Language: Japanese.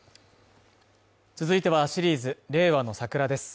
続いてはシリーズ「令和のサクラ」です。